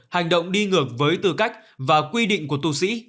hành động đi ngược với tư cách và quy định của tù sĩ